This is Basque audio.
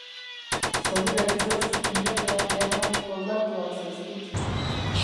Zorigaitzez, mirabeak jadanik oldartuak zaizkit.